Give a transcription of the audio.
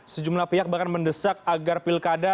sejumlah pihak bahkan mendesak agar pilkada